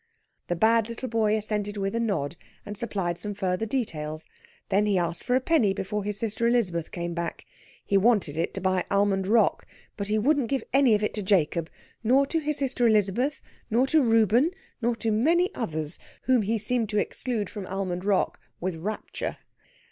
The bad little boy assented with a nod, and supplied some further details. Then he asked for a penny before his sister Elizabeth came back. He wanted it to buy almond rock, but he wouldn't give any of it to Jacob, nor to his sister Elizabeth, nor to Reuben, nor to many others, whom he seemed to exclude from almond rock with rapture.